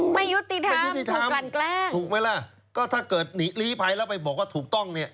ไม่ยุติธรรมโทษกันแกล้งถูกไหมล่ะก็ถ้าเกิดหลีภัยแล้วไปบอกว่าถูกต้องเนี้ย